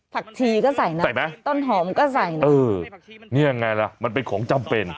ผักชีก็ใส่นะต้นหอมก็ใส่นะใส่ไหมเออนี่ยังไงล่ะมันเป็นของจำเป็น